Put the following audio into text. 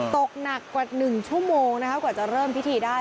ตกหนักกว่า๑ชั่วโมงกว่าจะเริ่มพิธีได้